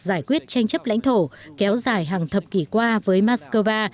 giải quyết tranh chấp lãnh thổ kéo dài hàng thập kỷ qua với moscow